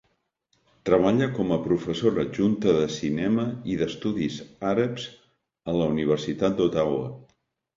Treballa com a professora adjunta de cinema i d'estudis àrabs a la Universitat d'Ottawa.